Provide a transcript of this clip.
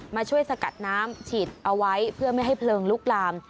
มาช่วยสกัดน้ำฉีดเอาไว้เพื่อไม่ให้เพลิงลุกลาม